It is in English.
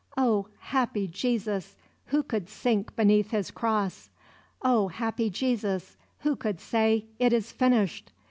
Oh, happy Jesus, Who could sink beneath His cross! Oh, happy Jesus, Who could say: "It is finished!"